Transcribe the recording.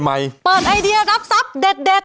เปิดไอเดียรับทรัพย์เด็ด